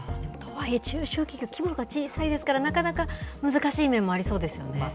とはいえ、中小企業、規模が小さいですから、なかなか難しい面もありそうですよね。